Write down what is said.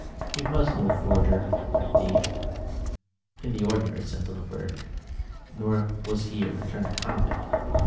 He was no forger, or thief in the ordinary sense of the word; nor was he a returned convict.